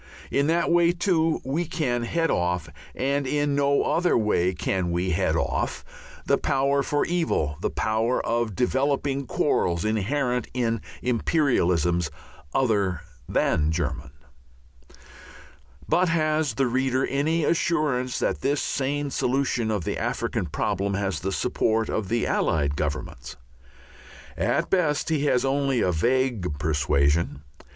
In that way, too, we can head off and in no other way can we head off the power for evil, the power of developing quarrels inherent in "imperialisms" other than German. But has the reader any assurance that this sane solution of the African problem has the support of the Allied Governments? At best he has only a vague persuasion.